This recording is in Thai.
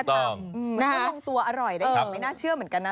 มันก็ลงตัวอร่อยแต่ไม่น่าเชื่อเหมือนกันนะ